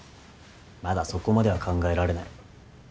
まだそこまでは考えられない。